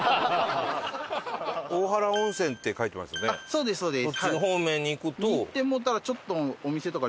そうですそうです。